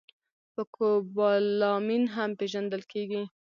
په کوبالامین هم پېژندل کېږي